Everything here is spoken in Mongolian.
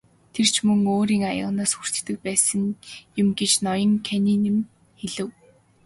Тэр ч мөн өөрийн аяганаас хүртдэг байсан юм гэж ноён Каннингем хэлэв.